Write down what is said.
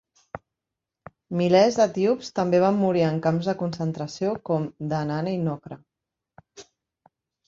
Milers d'etíops també van morir en camps de concentració com Danane i Nocra.